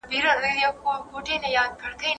ټول زامن يې ښايسته لكه گلان وه